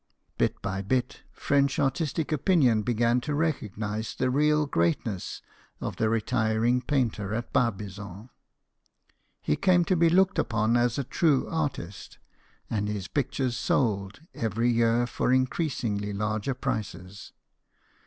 Bit by bit, French artistic opinion began to recognize the real greatness of the retiring painter at Barbizon. He came to be looked upcn as a true artist, and his pictures sold every year for increasingly large prices.